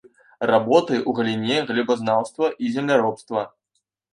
Работы ў галіне глебазнаўства і земляробства.